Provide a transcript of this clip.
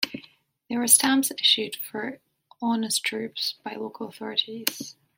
There were stamps issued for Aunus troops by local authorities.